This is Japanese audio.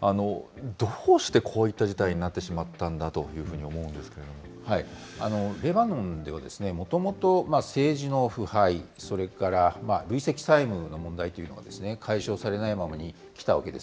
どうしてこういった事態になってしまったんだというふうに思レバノンでは、もともと政治の腐敗、それから累積債務の問題というのが解消されないままにきたわけです。